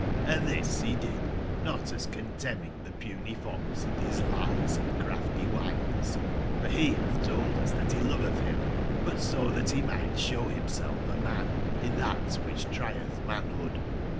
Hnd tbis be did, not as contemning tbe puny fox and bis lies and crafty wiles (for be batb told us tbat be lovetb bim); but so tbat be migbt sbow bimself a man in tbat wbicb trietb manbood.